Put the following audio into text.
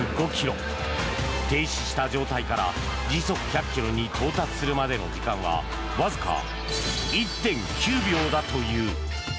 停止した状態から時速１００ｋｍに到達するまでの時間はわずか１．９秒だという。